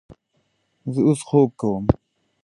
زه اوس خوب کوم